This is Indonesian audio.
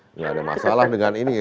nggak ada masalah dengan ini